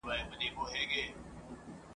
مغزونه کوچ سي قلم یې وچ سي !.